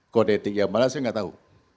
kode etik yang malah saya enggak tahu